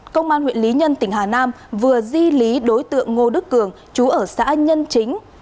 công an huyện lý nhân tỉnh hà nam vừa di lý đối tượng ngô đức cường chú ở xã nhân chính